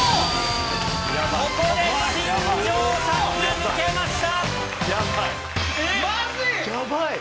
ここで新庄さんが抜けました。